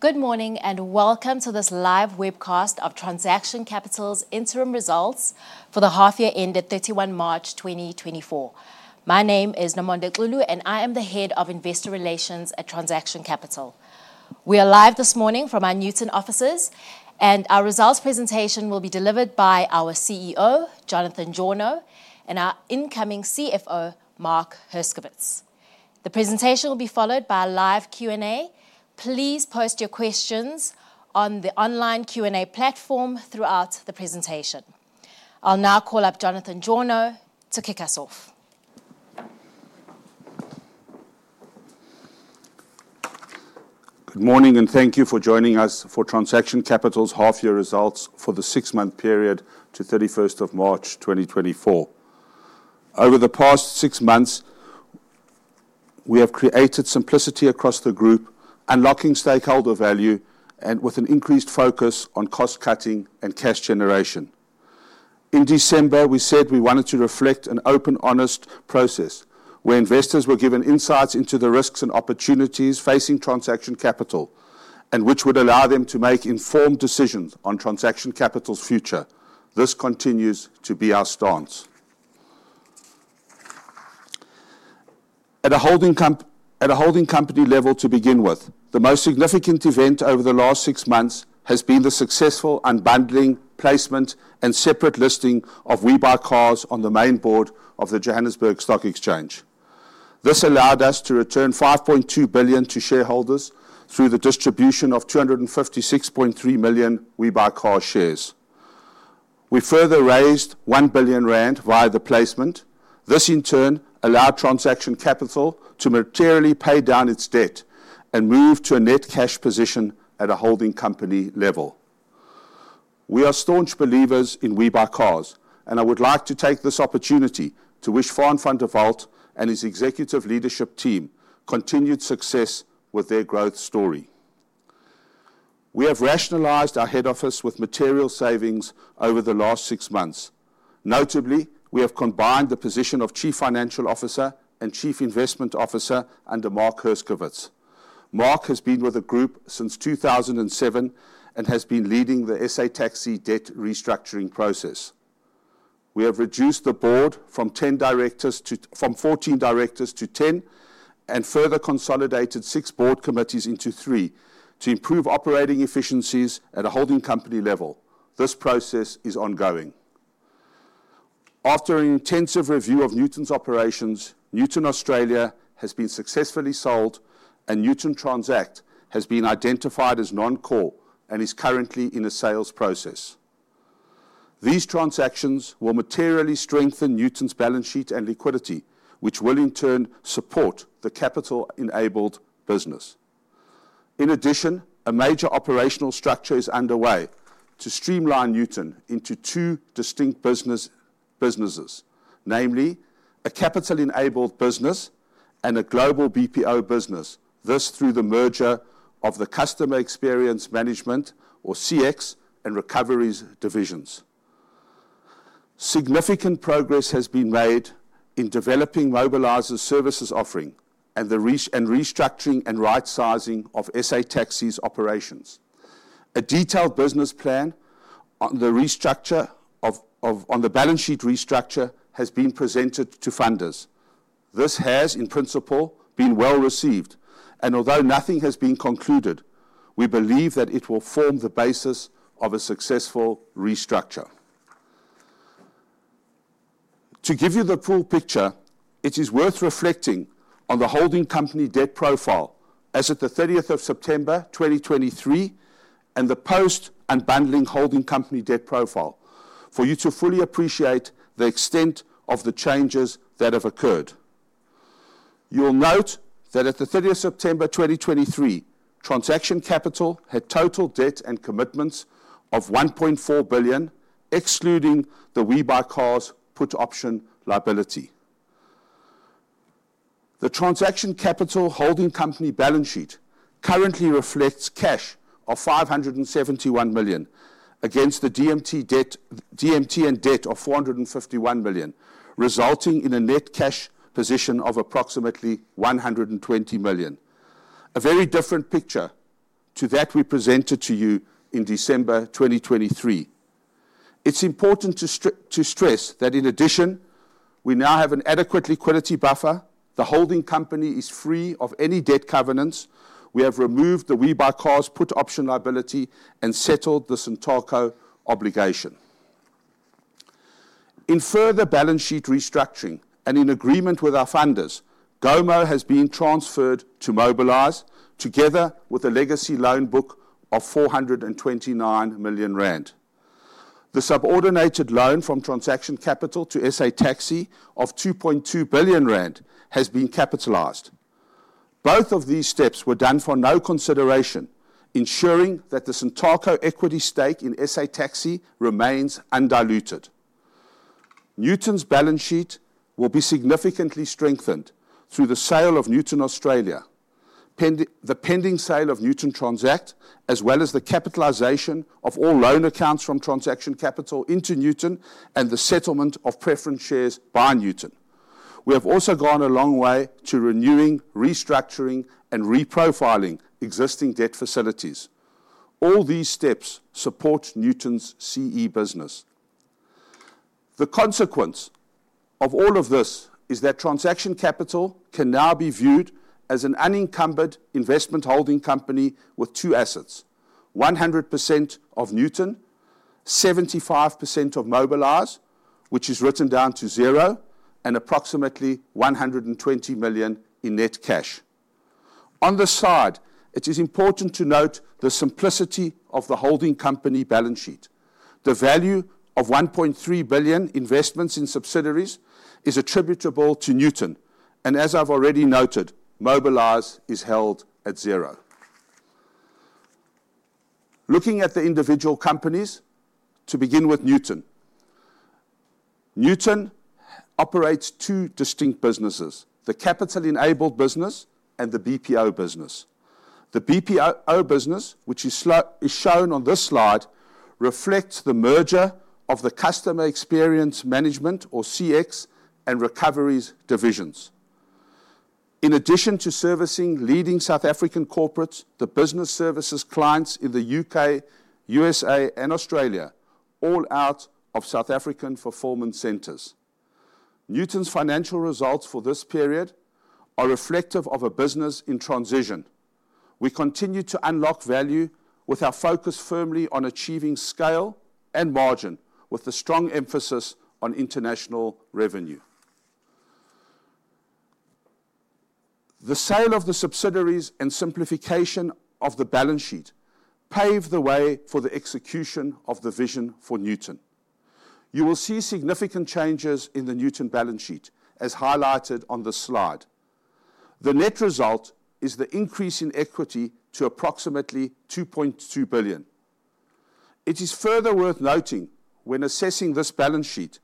Good morning, and welcome to this live webcast of Transaction Capital's interim results for the half year ended 31 March 2024. My name is Nomonde Xulu, and I am the head of investor relations at Transaction Capital. We are live this morning from our Nutun offices, and our results presentation will be delivered by our CEO, Jonathan Jawno, and our incoming CFO, Mark Herskovits. The presentation will be followed by a live Q&A. Please post your questions on the online Q&A platform throughout the presentation. I'll now call up Jonathan Jawno to kick us off. Good morning, and thank you for joining us for Transaction Capital's half-year results for the six-month period to 31st of March, 2024. Over the past six months, we have created simplicity across the group, unlocking stakeholder value and with an increased focus on cost cutting and cash generation. In December, we said we wanted to reflect an open, honest process, where investors were given insights into the risks and opportunities facing Transaction Capital, and which would allow them to make informed decisions on Transaction Capital's future. This continues to be our stance. At a holding company level to begin with, the most significant event over the last six months has been the successful unbundling, placement, and separate listing of WeBuyCars on the main board of the Johannesburg Stock Exchange. This allowed us to return 5.2 billion to shareholders through the distribution of 256.3 million WeBuyCars shares. We further raised 1 billion rand via the placement. This, in turn, allowed Transaction Capital to materially pay down its debt and move to a net cash position at a holding company level. We are staunch believers in WeBuyCars, and I would like to take this opportunity to wish Faan van der Walt and his executive leadership team continued success with their growth story. We have rationalized our head office with material savings over the last six months. Notably, we have combined the position of chief financial officer and chief investment officer under Mark Herskovits. Mark has been with the group since 2007 and has been leading the SA Taxi debt restructuring process. We have reduced the board from 14 directors to 10, and further consolidated six board committees into three to improve operating efficiencies at a holding company level. This process is ongoing. After an intensive review of Nutun's operations, Nutun Australia has been successfully sold, and Nutun Transact has been identified as non-core and is currently in a sales process. These transactions will materially strengthen Nutun's balance sheet and liquidity, which will, in turn, support the capital-enabled business. In addition, a major operational structure is underway to streamline Nutun into two distinct businesses: namely, a capital-enabled business and a global BPO business, this through the merger of the customer experience management, or CX, and recoveries divisions. Significant progress has been made in developing Mobalyz's services offering and the restructuring and rightsizing of SA Taxi's operations. A detailed business plan on the balance sheet restructure has been presented to funders. This has, in principle, been well received, and although nothing has been concluded, we believe that it will form the basis of a successful restructure. To give you the full picture, it is worth reflecting on the holding company debt profile as at the thirtieth of September 2023, and the post-unbundling holding company debt profile for you to fully appreciate the extent of the changes that have occurred. You'll note that at the thirtieth of September 2023, Transaction Capital had total debt and commitments of 1.4 billion, excluding the WeBuyCars put option liability. The Transaction Capital holding company balance sheet currently reflects cash of 571 million against the DMTN debt of 451 million, resulting in a net cash position of approximately 120 million. A very different picture to that we presented to you in December 2023. It's important to stress that in addition, we now have an adequate liquidity buffer. The holding company is free of any debt covenants. We have removed the WeBuyCars put option liability and settled the SANTACO obligation. In further balance sheet restructuring and in agreement with our funders, Gomo has been transferred to Mobalyz, together with a legacy loan book of 429 million rand. The subordinated loan from Transaction Capital to SA Taxi of 2.2 billion rand has been capitalized. Both of these steps were done for no consideration, ensuring that the SANTACO equity stake in SA Taxi remains undiluted. Nutun's balance sheet will be significantly strengthened through the sale of Nutun Australia, the pending sale of Nutun Transact, as well as the capitalization of all loan accounts from Transaction Capital into Nutun and the settlement of preference shares by Nutun. We have also gone a long way to renewing, restructuring, and reprofiling existing debt facilities. All these steps support Nutun's CE business. The consequence of all of this is that Transaction Capital can now be viewed as an unencumbered investment holding company with two assets: 100% of Nutun, 75% of Mobalyz, which is written down to zero, and approximately 120 million in net cash. On the side, it is important to note the simplicity of the holding company balance sheet. The value of 1.3 billion investments in subsidiaries is attributable to Nutun, and as I've already noted, Mobalyz is held at zero. Looking at the individual companies, to begin with Nutun. Nutun operates two distinct businesses, the capital-enabled business and the BPO business. The BPO business, which is shown on this slide, reflects the merger of the customer experience management, or CX, and recoveries divisions. In addition to servicing leading South African corporates, the business services clients in the U.K., U.S.A., and Australia, all out of South African fulfillment centers. Nutun's financial results for this period are reflective of a business in transition. We continue to unlock value with our focus firmly on achieving scale and margin, with a strong emphasis on international revenue. The sale of the subsidiaries and simplification of the balance sheet paved the way for the execution of the vision for Nutun. You will see significant changes in the Nutun balance sheet, as highlighted on this slide. The net result is the increase in equity to approximately 2.2 billion. It is further worth noting, when assessing this balance sheet,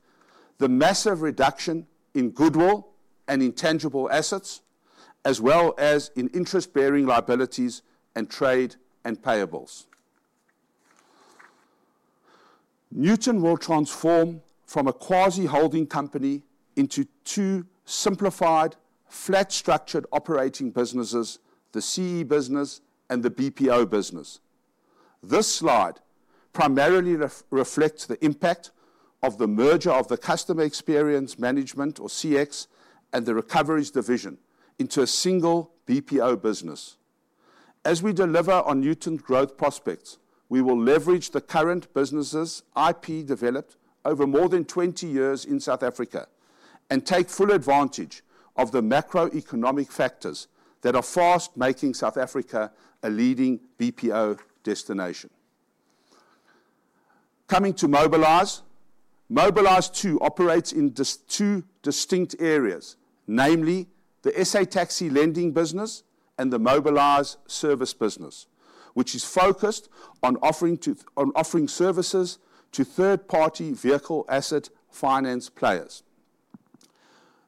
the massive reduction in goodwill and intangible assets, as well as in interest-bearing liabilities and trade and payables. Nutun will transform from a quasi holding company into two simplified, flat-structured operating businesses, the CE business and the BPO business. This slide primarily reflects the impact of the merger of the customer experience management, or CX, and the recoveries division into a single BPO business. As we deliver on Nutun's growth prospects, we will leverage the current businesses' IP developed over more than 20 years in South Africa and take full advantage of the macroeconomic factors that are fast making South Africa a leading BPO destination. Coming to Mobalyz. Mobalyz, too, operates in two distinct areas, namely the SA Taxi lending business and the Mobalyz service business, which is focused on offering services to third-party vehicle asset finance players.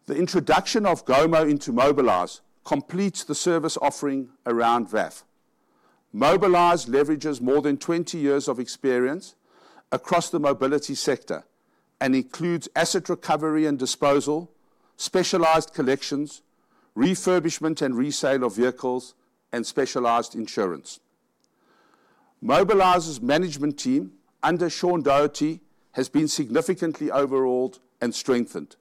The introduction of Gomo into Mobalyz completes the service offering around VAF. Mobalyz leverages more than 20 years of experience across the mobility sector and includes asset recovery and disposal, specialized collections, refurbishment and resale of vehicles, and specialized insurance. Mobalyz's management team, under Sean Doherty, has been significantly overhauled and strengthened.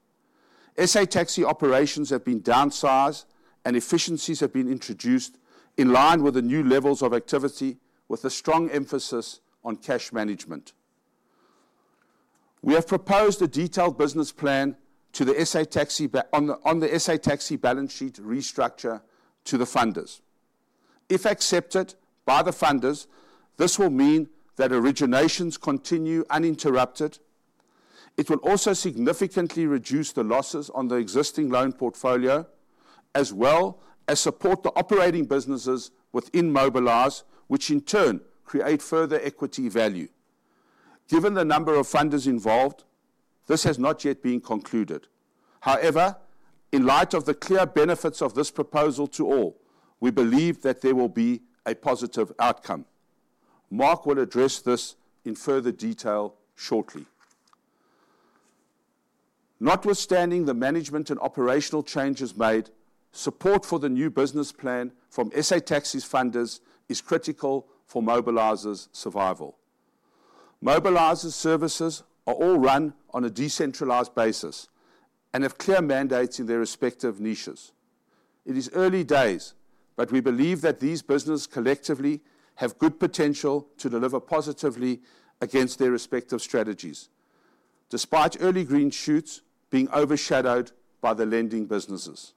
SA Taxi operations have been downsized and efficiencies have been introduced in line with the new levels of activity, with a strong emphasis on cash management. We have proposed a detailed business plan to the SA Taxi board on the SA Taxi balance sheet restructure to the funders. If accepted by the funders, this will mean that originations continue uninterrupted. It will also significantly reduce the losses on the existing loan portfolio, as well as support the operating businesses within Mobalyz, which in turn create further equity value. Given the number of funders involved, this has not yet been concluded. However, in light of the clear benefits of this proposal to all, we believe that there will be a positive outcome. Mark will address this in further detail shortly. Notwithstanding the management and operational changes made, support for the new business plan from SA Taxi’s funders is critical for Mobalyz’s survival. Mobalyz’s services are all run on a decentralized basis and have clear mandates in their respective niches. It is early days, but we believe that these businesses collectively have good potential to deliver positively against their respective strategies, despite early green shoots being overshadowed by the lending businesses.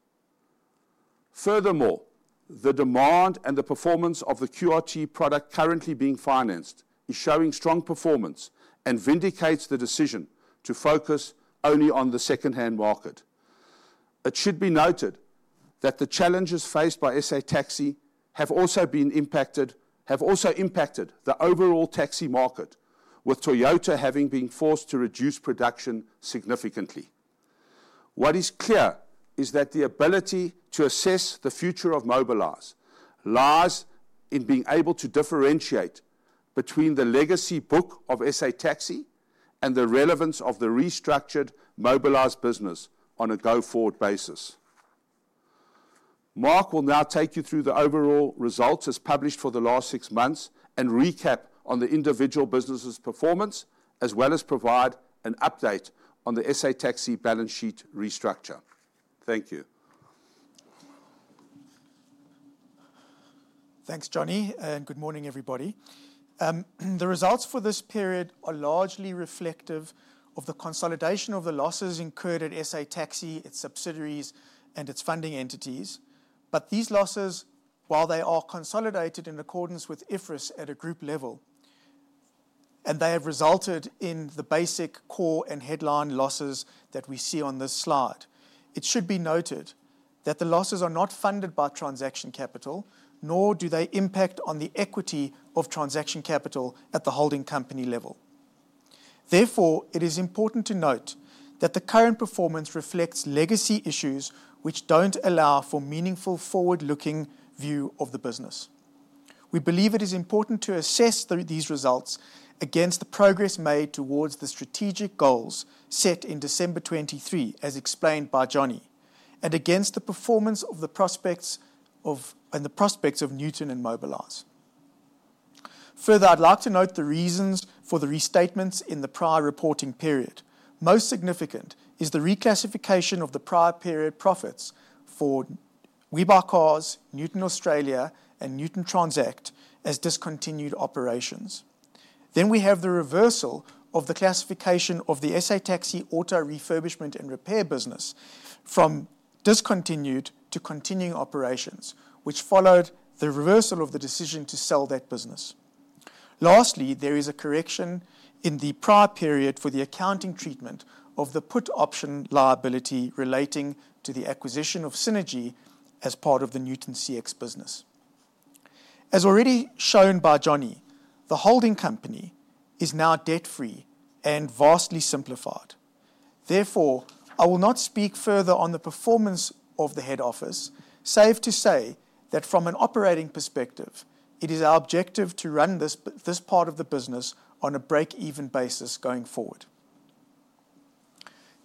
Furthermore, the demand and the performance of the QRT product currently being financed is showing strong performance and vindicates the decision to focus only on the second-hand market. It should be noted that the challenges faced by SA Taxi have also been impacted, have also impacted the overall taxi market, with Toyota having been forced to reduce production significantly. What is clear is that the ability to assess the future of Mobalyz lies in being able to differentiate between the legacy book of SA Taxi and the relevance of the restructured Mobalyz business on a go-forward basis. Mark will now take you through the overall results as published for the last six months and recap on the individual businesses' performance, as well as provide an update on the SA Taxi balance sheet restructure. Thank you. Thanks, Johnny, and good morning, everybody. The results for this period are largely reflective of the consolidation of the losses incurred at SA Taxi, its subsidiaries, and its funding entities. But these losses, while they are consolidated in accordance with IFRS at a group level, and they have resulted in the basic core and headline losses that we see on this slide. It should be noted that the losses are not funded by Transaction Capital, nor do they impact on the equity of Transaction Capital at the holding company level. Therefore, it is important to note that the current performance reflects legacy issues which don't allow for meaningful forward-looking view of the business. We believe it is important to assess these results against the progress made towards the strategic goals set in December 2023, as explained by Johnny, and against the performance of the prospects of and the prospects of Nutun and Mobalyz. Further, I'd like to note the reasons for the restatements in the prior reporting period. Most significant is the reclassification of the prior period profits for WeBuyCars, Nutun Australia, and Nutun Transact as discontinued operations. Then we have the reversal of the classification of the SA Taxi auto refurbishment and repair business from discontinued to continuing operations, which followed the reversal of the decision to sell that business. Lastly, there is a correction in the prior period for the accounting treatment of the put option liability relating to the acquisition of Synergy as part of the Nutun CX business. As already shown by Johnny, the holding company is now debt-free and vastly simplified. Therefore, I will not speak further on the performance of the head office, save to say that from an operating perspective, it is our objective to run this part of the business on a break-even basis going forward.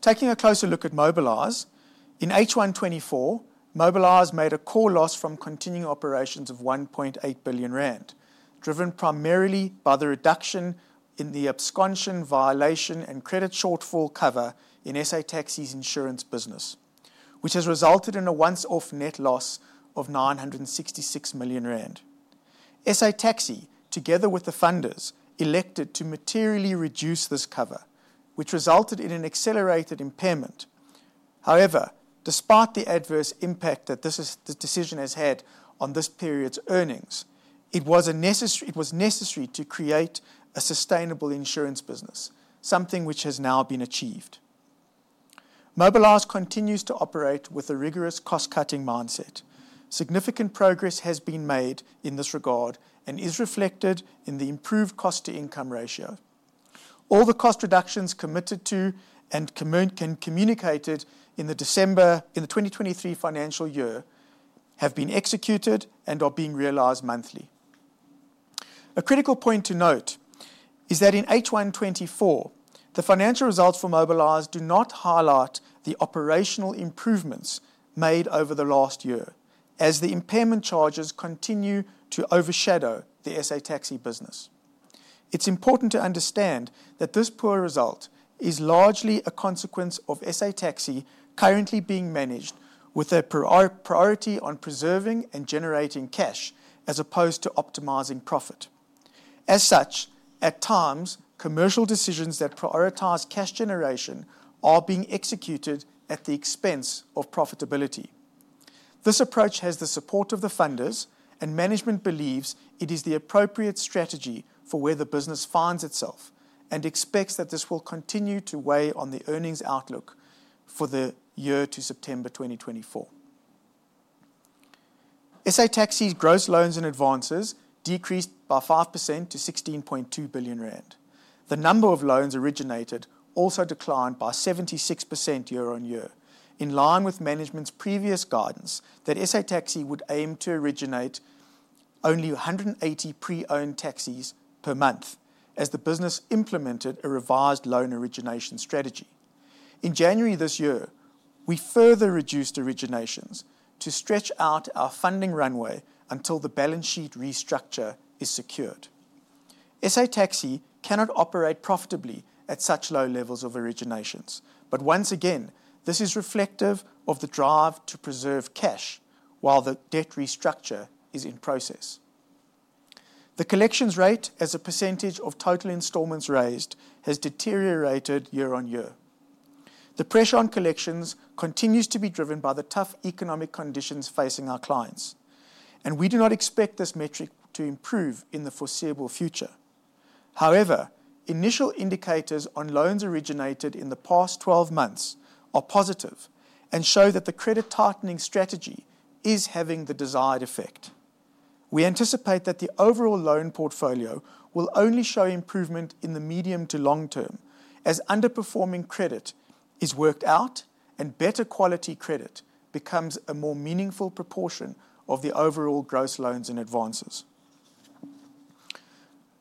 Taking a closer look at Mobalyz, in H1 2024, Mobalyz made a core loss from continuing operations of 1.8 billion rand, driven primarily by the reduction in the abscondment, violation, and credit shortfall cover in SA Taxi's insurance business, which has resulted in a once-off net loss of 966 million rand. SA Taxi, together with the funders, elected to materially reduce this cover, which resulted in an accelerated impairment. However, despite the adverse impact that this decision has had on this period's earnings, it was necessary to create a sustainable insurance business, something which has now been achieved. Mobalyz continues to operate with a rigorous cost-cutting mindset. Significant progress has been made in this regard and is reflected in the improved cost-to-income ratio. All the cost reductions committed to and communicated in the December 2023 financial year have been executed and are being realized monthly. A critical point to note is that in H1 2024, the financial results for Mobalyz do not highlight the operational improvements made over the last year, as the impairment charges continue to overshadow the SA Taxi business. It's important to understand that this poor result is largely a consequence of SA Taxi currently being managed with a priority on preserving and generating cash, as opposed to optimizing profit. As such, at times, commercial decisions that prioritize cash generation are being executed at the expense of profitability. This approach has the support of the funders, and management believes it is the appropriate strategy for where the business finds itself and expects that this will continue to weigh on the earnings outlook for the year to September 2024. SA Taxi's gross loans and advances decreased by 5% to 16.2 billion rand. The number of loans originated also declined by 76% year-on-year, in line with management's previous guidance that SA Taxi would aim to originate only 180 pre-owned taxis per month as the business implemented a revised loan origination strategy. In January this year, we further reduced originations to stretch out our funding runway until the balance sheet restructure is secured. SA Taxi cannot operate profitably at such low levels of originations, but once again, this is reflective of the drive to preserve cash while the debt restructure is in process. The collections rate as a percentage of total installments raised has deteriorated year-over-year. The pressure on collections continues to be driven by the tough economic conditions facing our clients, and we do not expect this metric to improve in the foreseeable future. However, initial indicators on loans originated in the past twelve months are positive and show that the credit tightening strategy is having the desired effect. We anticipate that the overall loan portfolio will only show improvement in the medium to long term, as underperforming credit is worked out and better quality credit becomes a more meaningful proportion of the overall gross loans and advances.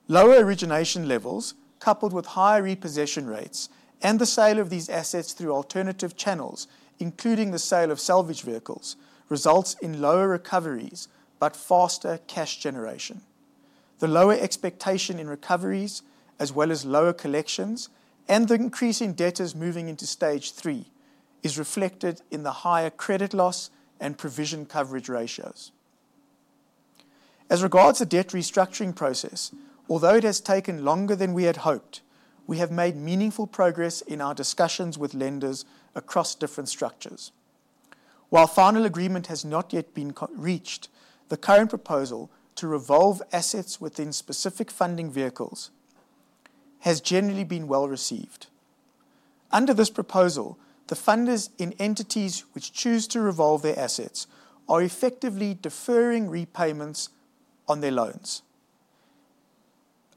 Lower origination levels, coupled with high repossession rates and the sale of these assets through alternative channels, including the sale of salvage vehicles, results in lower recoveries but faster cash generation. The lower expectation in recoveries, as well as lower collections and the increase in debtors moving into stage three, is reflected in the higher credit loss and provision coverage ratios. As regards the debt restructuring process, although it has taken longer than we had hoped, we have made meaningful progress in our discussions with lenders across different structures. While final agreement has not yet been concluded, the current proposal to revolve assets within specific funding vehicles has generally been well received. Under this proposal, the funders in entities which choose to revolve their assets are effectively deferring repayments on their loans.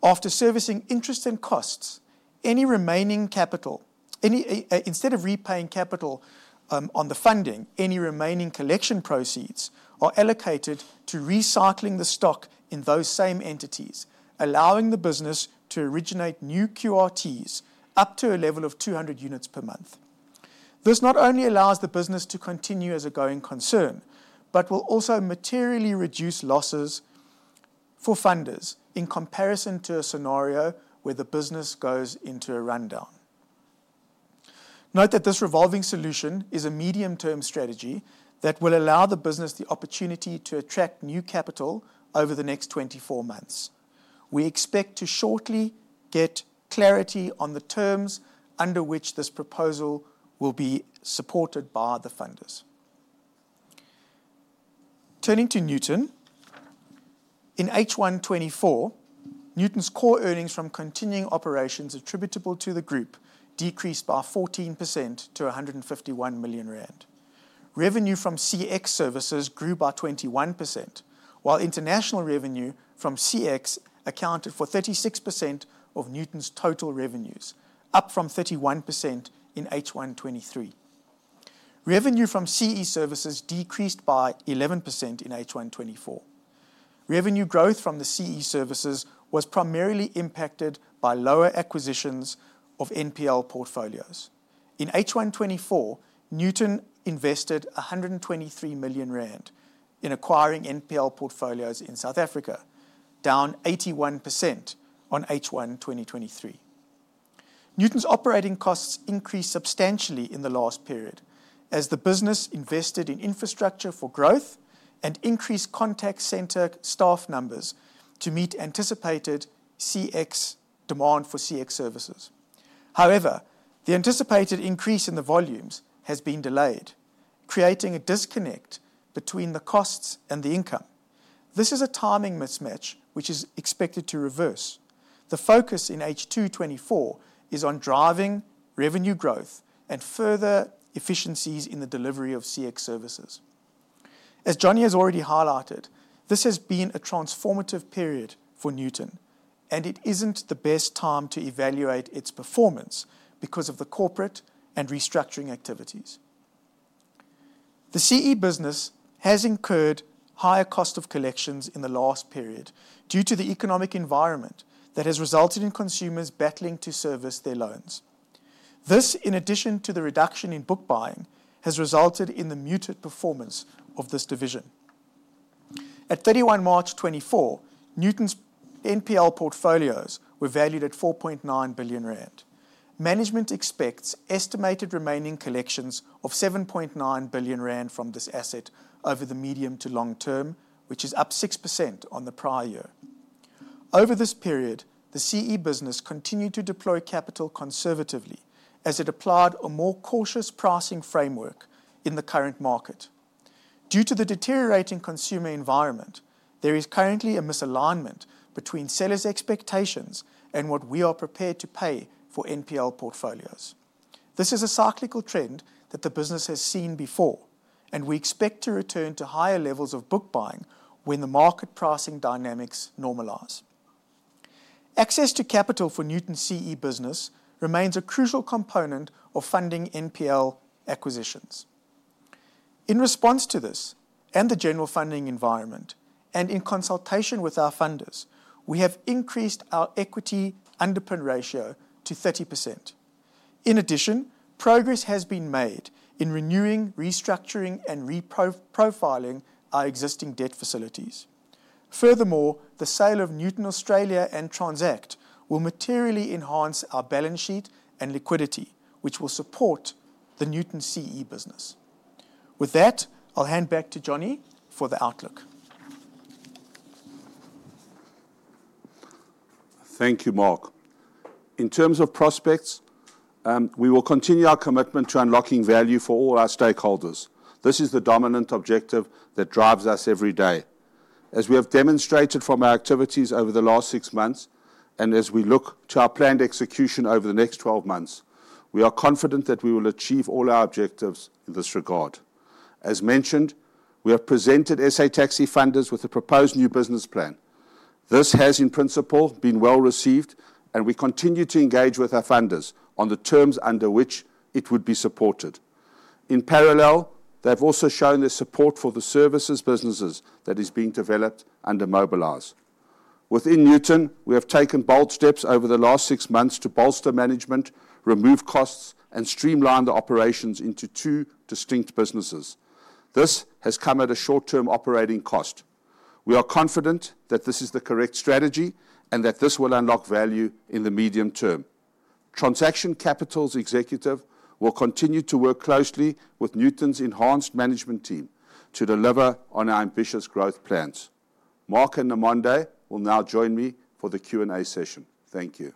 After servicing interest and costs, any remaining capital. Instead of repaying capital on the funding, any remaining collection proceeds are allocated to recycling the stock in those same entities, allowing the business to originate new QRTs up to a level of 200 units per month. This not only allows the business to continue as a going concern, but will also materially reduce losses for funders in comparison to a scenario where the business goes into a rundown. Note that this revolving solution is a medium-term strategy that will allow the business the opportunity to attract new capital over the next 24 months. We expect to shortly get clarity on the terms under which this proposal will be supported by the funders. Turning to Nutun: in H1 2024, Nutun's core earnings from continuing operations attributable to the group decreased by 14% to 151 million rand. Revenue from CX services grew by 21%, while international revenue from CX accounted for 36% of Nutun's total revenues, up from 31% in H1 2023. Revenue from CE services decreased by 11% in H1 2024. Revenue growth from the CE services was primarily impacted by lower acquisitions of NPL portfolios. In H1 2024, Nutun invested 123 million rand in acquiring NPL portfolios in South Africa, down 81% on H1 2023. Nutun's operating costs increased substantially in the last period, as the business invested in infrastructure for growth and increased contact center staff numbers to meet anticipated CX demand for CX services. However, the anticipated increase in the volumes has been delayed, creating a disconnect between the costs and the income. This is a timing mismatch, which is expected to reverse. The focus in H2 2024 is on driving revenue growth and further efficiencies in the delivery of CX services. As Jonathan has already highlighted, this has been a transformative period for Nutun, and it isn't the best time to evaluate its performance because of the corporate and restructuring activities. The CE business has incurred higher cost of collections in the last period due to the economic environment that has resulted in consumers battling to service their loans. This, in addition to the reduction in book buying, has resulted in the muted performance of this division. At 31 March 2024, Nutun's NPL portfolios were valued at 4.9 billion rand. Management expects estimated remaining collections of 7.9 billion rand from this asset over the medium to long term, which is up 6% on the prior year. Over this period, the CE business continued to deploy capital conservatively as it applied a more cautious pricing framework in the current market. Due to the deteriorating consumer environment, there is currently a misalignment between sellers' expectations and what we are prepared to pay for NPL portfolios. This is a cyclical trend that the business has seen before, and we expect to return to higher levels of book buying when the market pricing dynamics normalize. Access to capital for Nutun CE business remains a crucial component of funding NPL acquisitions. In response to this and the general funding environment, and in consultation with our funders, we have increased our equity underpin ratio to 30%. In addition, progress has been made in renewing, restructuring, and reprofiling our existing debt facilities. Furthermore, the sale of Nutun Australia and Nutun Transact will materially enhance our balance sheet and liquidity, which will support the Nutun CE business. With that, I'll hand back to Johnny for the outlook. Thank you, Mark. In terms of prospects, we will continue our commitment to unlocking value for all our stakeholders. This is the dominant objective that drives us every day. As we have demonstrated from our activities over the last six months, and as we look to our planned execution over the next twelve months, we are confident that we will achieve all our objectives in this regard. As mentioned, we have presented SA Taxi funders with a proposed new business plan. This has, in principle, been well received, and we continue to engage with our funders on the terms under which it would be supported. In parallel, they've also shown their support for the services businesses that is being developed under Mobalyz. Within Nutun, we have taken bold steps over the last six months to bolster management, remove costs, and streamline the operations into two distinct businesses. This has come at a short-term operating cost. We are confident that this is the correct strategy and that this will unlock value in the medium term. Transaction Capital's executive will continue to work closely with Nutun's enhanced management team to deliver on our ambitious growth plans. Mark and Nomonde will now join me for the Q&A session. Thank you.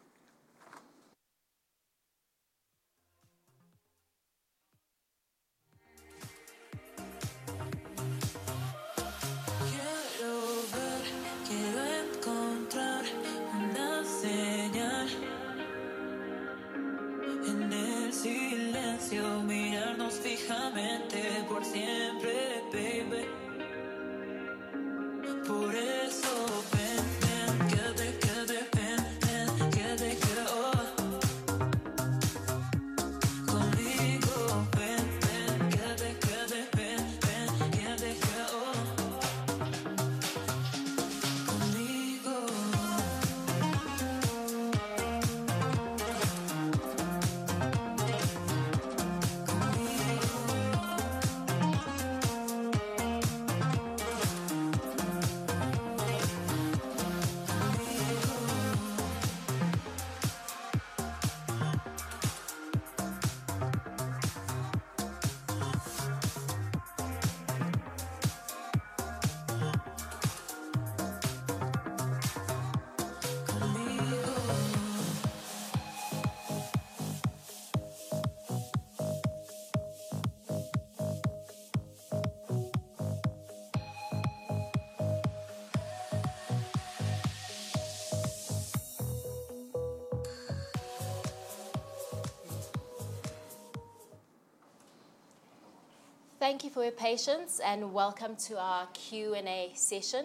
Thank you for your patience, and welcome to our Q&A session.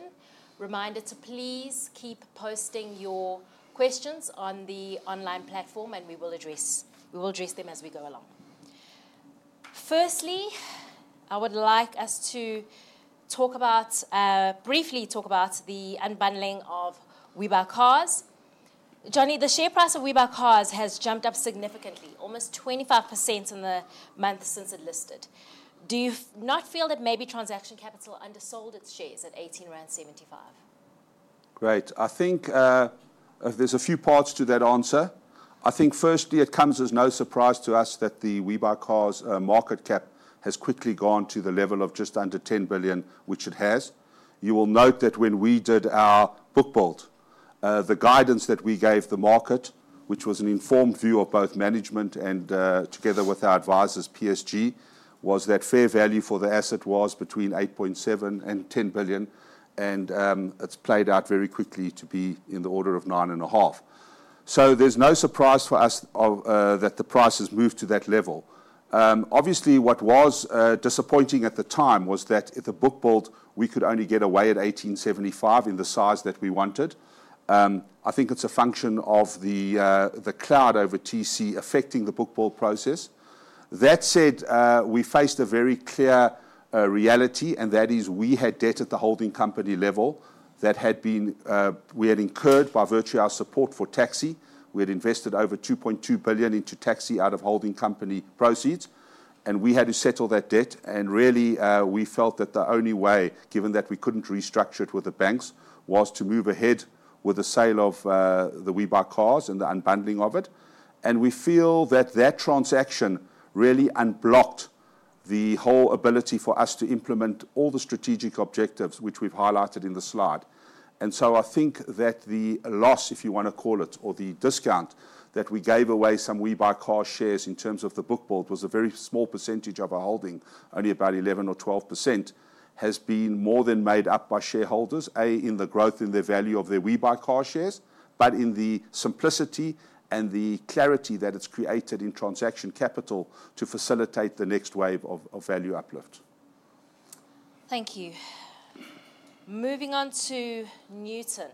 Reminder to please keep posting your questions on the online platform, and we will address them as we go along. Firstly, I would like us to talk about briefly talk about the unbundling of WeBuyCars. Jonny, the share price of WeBuyCars has jumped up significantly, almost 25% in the month since it listed. Do you not feel that maybe Transaction Capital undersold its shares at 18.75 rand? Great. I think, there's a few parts to that answer. I think firstly, it comes as no surprise to us that the WeBuyCars market cap has quickly gone to the level of just under 10 billion, which it has. You will note that when we did our book build, the guidance that we gave the market, which was an informed view of both management and, together with our advisors, PSG, was that fair value for the asset was between 8.7 billion and 10 billion, and, it's played out very quickly to be in the order of 9.5 billion. So there's no surprise for us of, that the price has moved to that level. Obviously, what was disappointing at the time was that at the book build, we could only get away at 18.75 in the size that we wanted. I think it's a function of the cloud over TC affecting the book build process. That said, we faced a very clear reality, and that is we had debt at the holding company level that had been incurred by virtue of our support for Taxi. We had invested over 2.2 billion into Taxi out of holding company proceeds, and we had to settle that debt, and really, we felt that the only way, given that we couldn't restructure it with the banks, was to move ahead with the sale of WeBuyCars and the unbundling of it. We feel that that transaction really unblocked the whole ability for us to implement all the strategic objectives which we've highlighted in the slide. And so I think that the loss, if you wanna call it, or the discount, that we gave away some WeBuyCars shares in terms of the book build was a very small percentage of our holding, only about 11% or 12%, has been more than made up by shareholders, A, in the growth in the value of their WeBuyCars shares, but in the simplicity and the clarity that it's created in Transaction Capital to facilitate the next wave of value uplift. Thank you. Moving on to Nutun,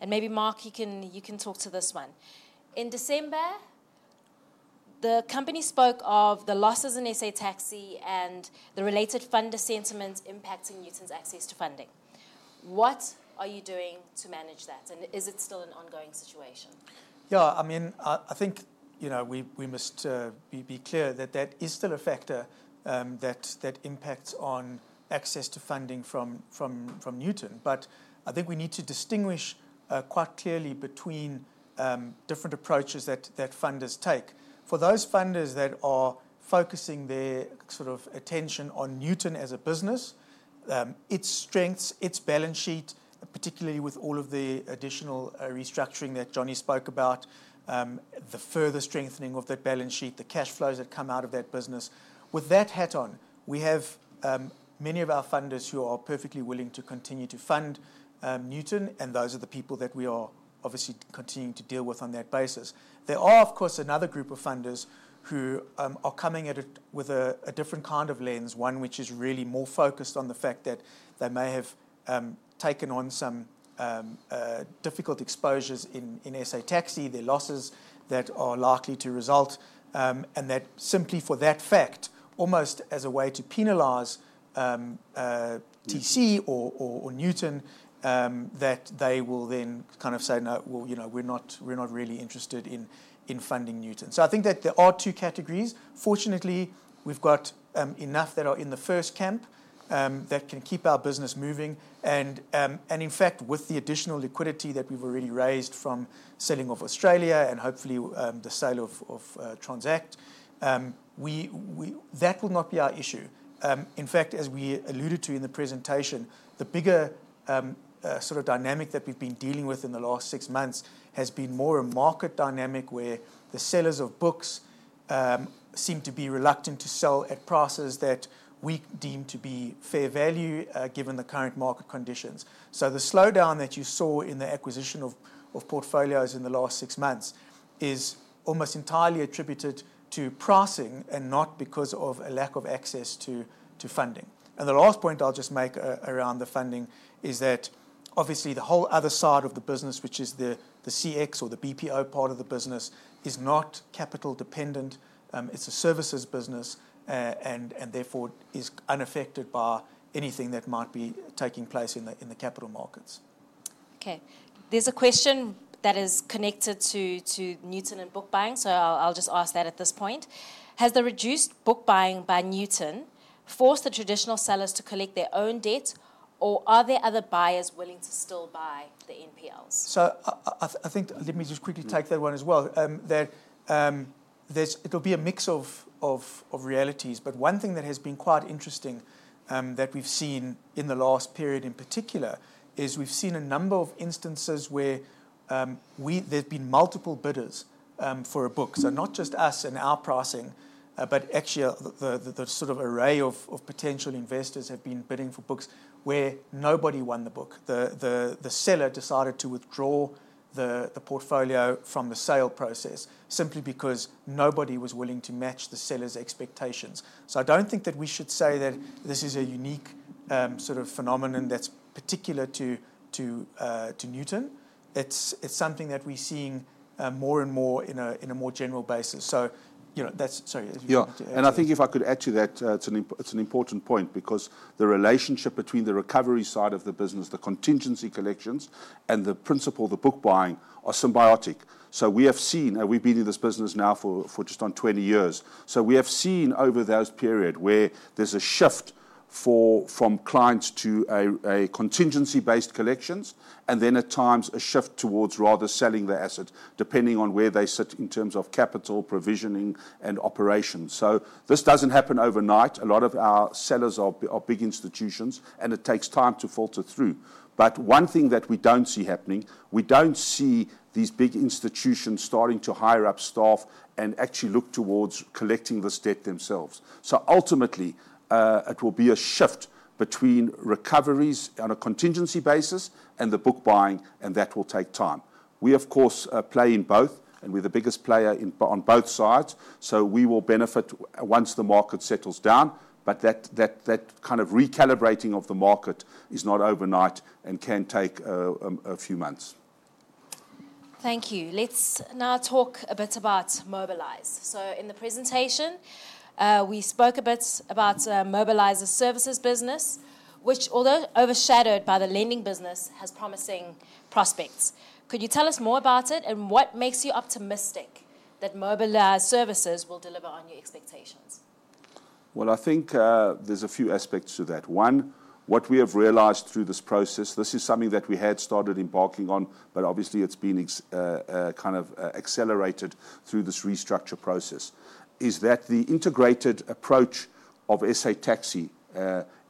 and maybe, Mark, you can talk to this one. In December, the company spoke of the losses in SA Taxi and the related funder sentiment impacting Nutun's access to funding. What are you doing to manage that, and is it still an ongoing situation? Yeah, I mean, I think, you know, we must be clear that that is still a factor that impacts on access to funding from Nutun. But I think we need to distinguish quite clearly between different approaches that funders take. For those funders that are focusing their sort of attention on Nutun as a business, its strengths, its balance sheet, particularly with all of the additional restructuring that Johnny spoke about, the further strengthening of that balance sheet, the cash flows that come out of that business. With that hat on, we have many of our funders who are perfectly willing to continue to fund Nutun, and those are the people that we are obviously continuing to deal with on that basis. There are, of course, another group of funders who are coming at it with a different kind of lens, one which is really more focused on the fact that they may have taken on some difficult exposures in SA Taxi, their losses that are likely to result. And that simply for that fact, almost as a way to penalize TC or Nutun, that they will then kind of say, "No, well, you know, we're not really interested in funding Nutun." I think that there are two categories. Fortunately, we've got enough that are in the first camp that can keep our business moving, and in fact, with the additional liquidity that we've already raised from selling off Australia, and hopefully the sale of Transact. That will not be our issue. In fact, as we alluded to in the presentation, the bigger sort of dynamic that we've been dealing with in the last six months has been more a market dynamic, where the sellers of books seem to be reluctant to sell at prices that we deem to be fair value, given the current market conditions. So the slowdown that you saw in the acquisition of portfolios in the last six months is almost entirely attributed to pricing and not because of a lack of access to funding. And the last point I'll just make around the funding is that obviously the whole other side of the business, which is the CX or the BPO part of the business, is not capital dependent. It's a services business, and therefore is unaffected by anything that might be taking place in the capital markets. Okay. There's a question that is connected to Nutun and book buying, so I'll just ask that at this point: Has the reduced book buying by Nutun forced the traditional sellers to collect their own debt, or are there other buyers willing to still buy the NPLs? So I think, let me just quickly take that one as well. That there's it'll be a mix of realities. But one thing that has been quite interesting, that we've seen in the last period in particular, is we've seen a number of instances where there've been multiple bidders for a book. So not just us and our pricing, but actually, the sort of array of potential investors have been bidding for books where nobody won the book. The seller decided to withdraw the portfolio from the sale process simply because nobody was willing to match the seller's expectations. So I don't think that we should say that this is a unique sort of phenomenon that's particular to Nutun. It's something that we're seeing more and more in a more general basis. So, you know, that's, sorry, did you want to add to it? Yeah. And I think if I could add to that, it's an important point because the relationship between the recovery side of the business, the contingency collections, and the principle, the book buying, are symbiotic. So we have seen, and we've been in this business now for just on 20 years, so we have seen over those period where there's a shift from clients to a contingency-based collections, and then at times, a shift towards rather selling the asset, depending on where they sit in terms of capital, provisioning, and operations. So this doesn't happen overnight. A lot of our sellers are big institutions, and it takes time to filter through. But one thing that we don't see happening, we don't see these big institutions starting to hire up staff and actually look towards collecting this debt themselves. So ultimately, it will be a shift between recoveries on a contingency basis and the book buying, and that will take time. We, of course, play in both, and we're the biggest player on both sides, so we will benefit once the market settles down. But that kind of recalibrating of the market is not overnight and can take a few months. Thank you. Let's now talk a bit about Mobalyz. So in the presentation, we spoke a bit about Mobalyz's services business, which, although overshadowed by the lending business, has promising prospects. Could you tell us more about it, and what makes you optimistic that Mobalyz Services will deliver on your expectations? Well, I think, there's a few aspects to that. One, what we have realized through this process, this is something that we had started embarking on, but obviously, it's been accelerated through this restructure process, is that the integrated approach of SA Taxi,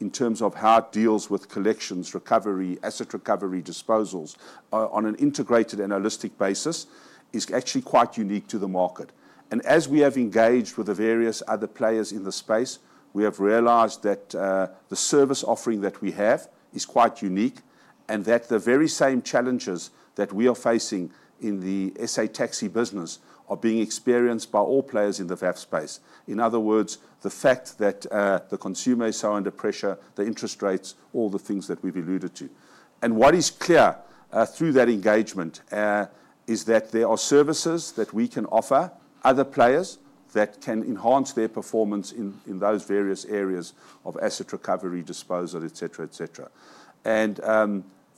in terms of how it deals with collections, recovery, asset recovery, disposals, on an integrated and holistic basis, is actually quite unique to the market. And as we have engaged with the various other players in the space, we have realized that, the service offering that we have is quite unique, and that the very same challenges that we are facing in the SA Taxi business are being experienced by all players in the VAF space. In other words, the fact that the consumers are under pressure, the interest rates, all the things that we've alluded to. And what is clear through that engagement is that there are services that we can offer other players that can enhance their performance in those various areas of asset recovery, disposal, et cetera, et cetera. And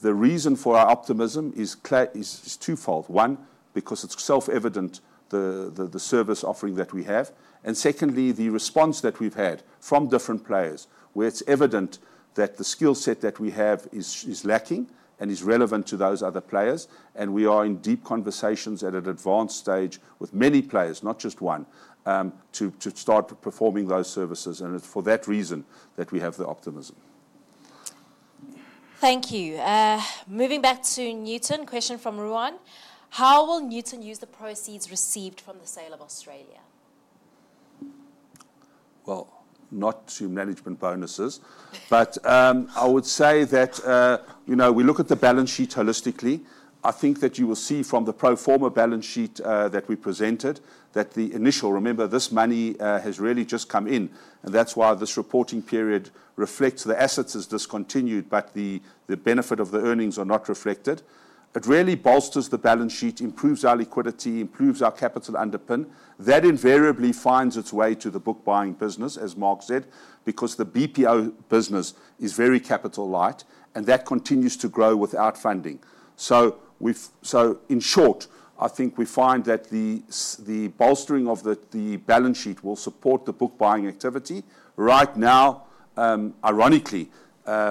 the reason for our optimism is twofold: one, because it's self-evident, the service offering that we have, and secondly, the response that we've had from different players, where it's evident that the skill set that we have is lacking and is relevant to those other players. And we are in deep conversations at an advanced stage with many players, not just one, to start performing those services, and it's for that reason that we have the optimism. Thank you. Moving back to Nutun, question from Ruan: How will Nutun use the proceeds received from the sale of Australia? Well, not to management bonuses. But I would say that, you know, we look at the balance sheet holistically. I think that you will see from the pro forma balance sheet that we presented that the initial, remember, this money has really just come in, and that's why this reporting period reflects the assets as discontinued, but the benefit of the earnings are not reflected. It really bolsters the balance sheet, improves our liquidity, improves our capital underpin. That invariably finds its way to the book buying business, as Mark said, because the BPO business is very capital light, and that continues to grow without funding. So in short, I think we find that the bolstering of the balance sheet will support the book buying activity. Right now, ironically,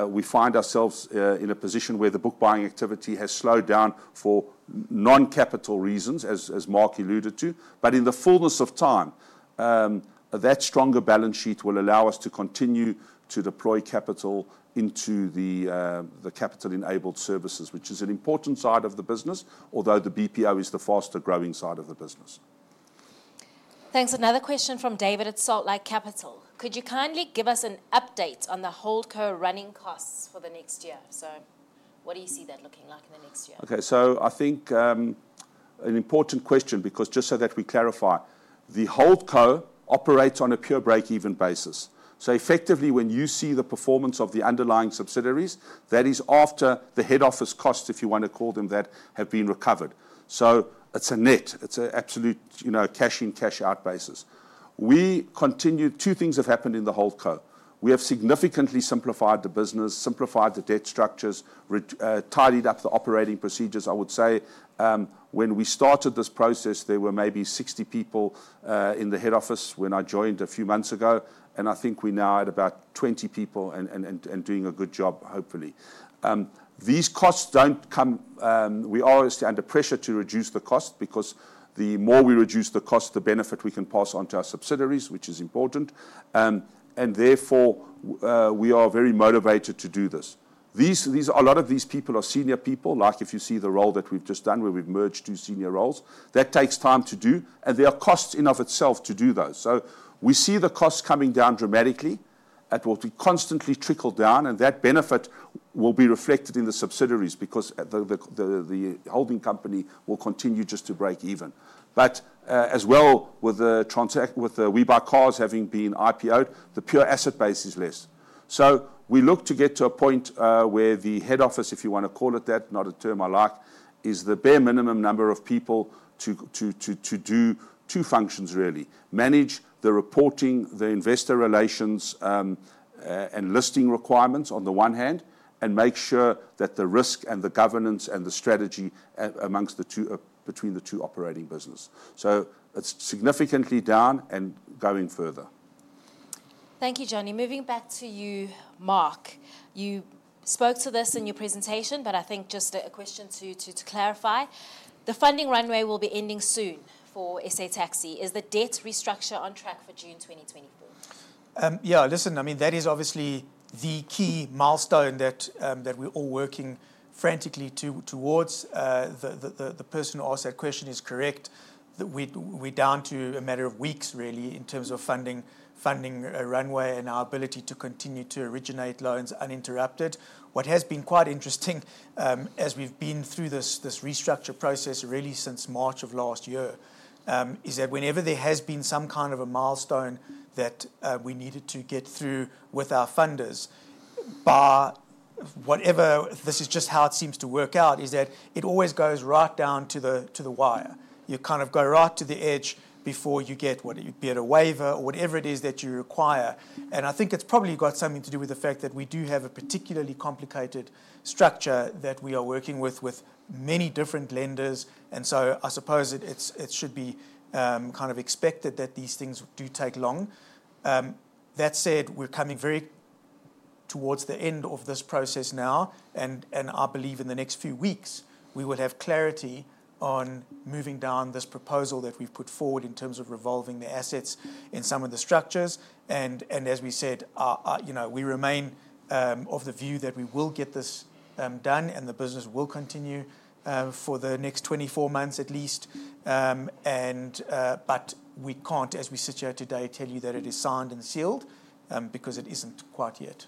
we find ourselves in a position where the book buying activity has slowed down for non-capital reasons, as Mark alluded to. But in the fullness of time, that stronger balance sheet will allow us to continue to deploy capital into the capital-enabled services, which is an important side of the business, although the BPO is the faster growing side of the business. Thanks. Another question from David at SaltLight Capital: Could you kindly give us an update on the holdco running costs for the next year? So what do you see that looking like in the next year? Okay, so I think an important question, because just so that we clarify, the holdco operates on a pure break-even basis. So effectively, when you see the performance of the underlying subsidiaries, that is after the head office costs, if you want to call them that, have been recovered. So it's a net, it's an absolute, you know, cash in, cash out basis. Two things have happened in the holdco. We have significantly simplified the business, simplified the debt structures, tidied up the operating procedures. I would say, when we started this process, there were maybe 60 people in the head office when I joined a few months ago, and I think we're now at about 20 people, and doing a good job, hopefully. These costs don't come. We are always under pressure to reduce the cost, because the more we reduce the cost, the benefit we can pass on to our subsidiaries, which is important. And therefore, we are very motivated to do this. These, a lot of these people are senior people. Like, if you see the role that we've just done, where we've merged two senior roles, that takes time to do, and there are costs in and of itself to do those. So we see the costs coming down dramatically. It will be constantly trickled down, and that benefit will be reflected in the subsidiaries, because the holding company will continue just to break even. But, as well, with the WeBuyCars having been IPO'd, the pure asset base is less. We look to get to a point where the head office, if you want to call it that, not a term I like, is the bare minimum number of people to do two functions, really: manage the reporting, the investor relations, and listing requirements on the one hand, and make sure that the risk and the governance and the strategy amongst the two, between the two operating business. It's significantly down and going further. Thank you, Jonathan. Moving back to you, Mark. You spoke to this in your presentation, but I think just a question to clarify: the funding runway will be ending soon for SA Taxi. Is the debt restructure on track for June 2024? Yeah, listen, I mean, that is obviously the key milestone that we're all working frantically towards. The person who asked that question is correct, that we're down to a matter of weeks, really, in terms of funding a runway and our ability to continue to originate loans uninterrupted. What has been quite interesting, as we've been through this restructure process, really since March of last year, is that whenever there has been some kind of a milestone that we needed to get through with our funders, barring whatever, this is just how it seems to work out, is that it always goes right down to the wire. You kind of go right to the edge before you get, whether it be a waiver or whatever it is that you require. I think it's probably got something to do with the fact that we do have a particularly complicated structure that we are working with, with many different lenders, and so I suppose it should be kind of expected that these things do take long. That said, we're coming very towards the end of this process now, and I believe in the next few weeks, we will have clarity on moving down this proposal that we've put forward in terms of revolving the assets in some of the structures. As we said, you know, we remain of the view that we will get this done and the business will continue for the next 24 months at least. But we can't, as we sit here today, tell you that it is signed and sealed, because it isn't quite yet.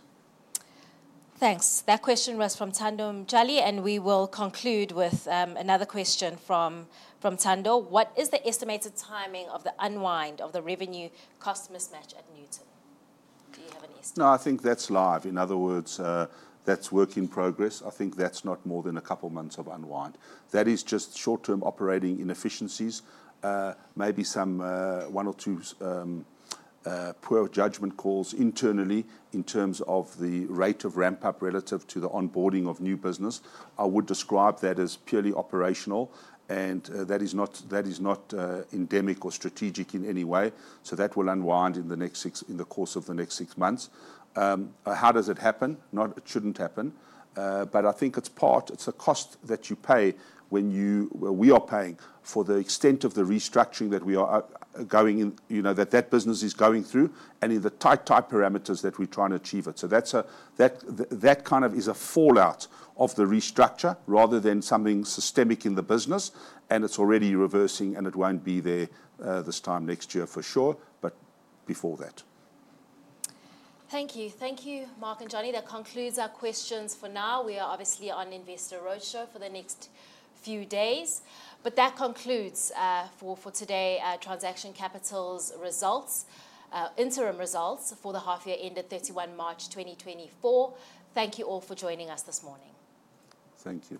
Thanks. That question was from Thando Mtshali, and we will conclude with another question from Thando: What is the estimated timing of the unwind of the revenue cost mismatch at Nutun? Do you have an estimate? No, I think that's live. In other words, that's work in progress. I think that's not more than a couple of months of unwind. That is just short-term operating inefficiencies, maybe some, one or two, poor judgment calls internally in terms of the rate of ramp-up relative to the onboarding of new business. I would describe that as purely operational, and that is not endemic or strategic in any way. So that will unwind in the course of the next six months. How does it happen? Not, it shouldn't happen. But I think it's part, it's a cost that you pay when you. Well, we are paying for the extent of the restructuring that we are going in, you know, that that business is going through and in the tight, tight parameters that we're trying to achieve it. So that's a, that, that kind of is a fallout of the restructure, rather than something systemic in the business, and it's already reversing, and it won't be there, this time next year for sure, but before that. Thank you. Thank you, Mark and Johnny. That concludes our questions for now. We are obviously on Investor Roadshow for the next few days. But that concludes for today, Transaction Capital's results, interim results for the half year ended 31 March 2024. Thank you all for joining us this morning. Thank you.